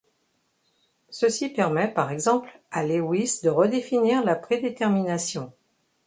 Ceci permet, par exemple, à Lewis de redéfinir la prédétermination.